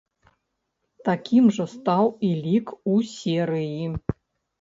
Такім жа стаў і лік у серыі.